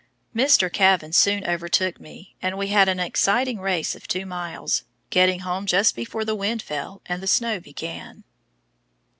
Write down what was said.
Mr. Kavan soon overtook me, and we had an exciting race of two miles, getting home just before the wind fell and the snow began.